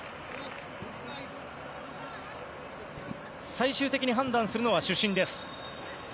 最終的に判断するのは主審です。